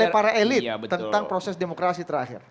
oleh para elit tentang proses demokrasi terakhir